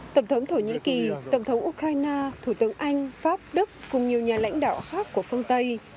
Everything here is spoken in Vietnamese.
tổng thống thổ nhĩ kỳ tổng thống ukraine thủ tướng anh pháp đức cùng nhiều nhà lãnh đạo khác của phương tây